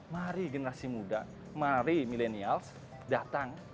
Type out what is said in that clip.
mari generasi muda mari milenials datang